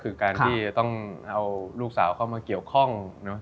คือการที่จะต้องเอาลูกสาวเข้ามาเกี่ยวข้อง